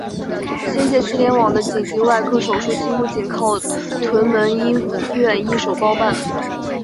新界西联网的紧急外科手术几乎仅靠屯门医院一手包办。